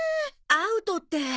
アウトって。